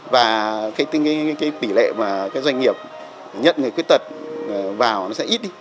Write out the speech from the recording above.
và cái tỉ lệ mà doanh nghiệp nhận người khuyết tật vào nó sẽ ít đi